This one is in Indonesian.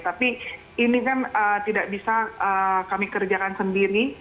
tapi ini kan tidak bisa kami kerjakan sendiri